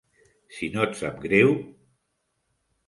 Si no et sap greu.